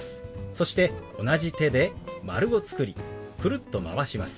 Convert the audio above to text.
そして同じ手で丸を作りくるっとまわします。